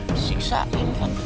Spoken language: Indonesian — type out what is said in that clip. disiksa ini pak